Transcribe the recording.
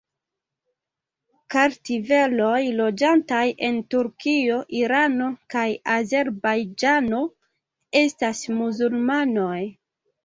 Kartveloj loĝantaj en Turkio, Irano kaj Azerbajĝano estas muzulmanoj.